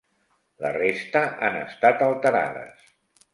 La resta han estat alterades.